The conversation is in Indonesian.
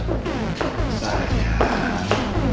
bi pergi dulu ya coba sembuh